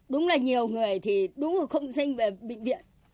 đúng là nhiều người thì đúng là không sinh về bệnh viện